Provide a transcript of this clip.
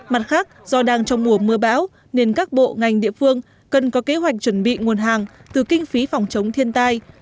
mặt khác do đang trong mùa mưa bão nên các bộ ngành địa phương cần có kế hoạch chuẩn bị nguồn hàng từ kinh phí phòng chống thiên tai